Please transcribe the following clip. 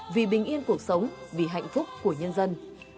vì bình yên cuộc sống vì hạnh phúc của nhân dân